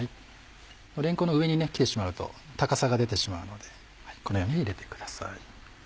れんこんの上に来てしまうと高さが出てしまうのでこのように入れてください。